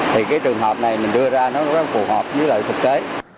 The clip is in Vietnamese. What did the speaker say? thì cái trường hợp này mình đưa ra nó rất là phù hợp với lợi thực tế